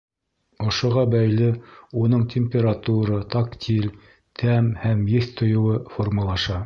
Ошоға бәйле, уның температура, тактиль, тәм һәм еҫ тойоуы формалаша.